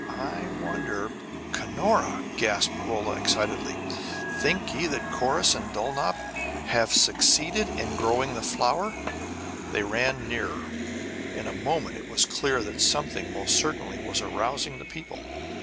I wonder " "Cunora!" gasped Rolla excitedly. "Think ye that Corrus and Dulnop have succeeded in growing the flower?" They ran nearer. In a moment it was clear that something most certainly was arousing the people.